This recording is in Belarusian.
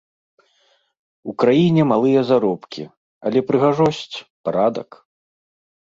У краіне малыя заробкі, але прыгажосць, парадак.